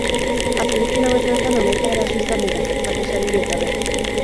Azken kilometroetan hamaika eraso izan dira, baina saririk gabe.